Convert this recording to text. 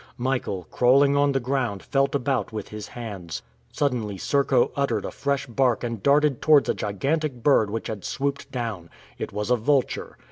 Michael, crawling on the ground, felt about with his hands. Suddenly Serko uttered a fresh bark and darted towards a gigantic bird which had swooped down. It was a vulture.